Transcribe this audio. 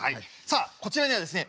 「さあこちらにはですね